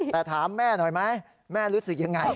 แต่ถามแม่หน่อยไหมแม่รู้สึกยังไง